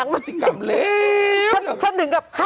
พฤติกรรมเล็ก